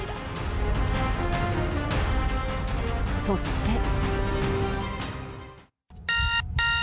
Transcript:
そして。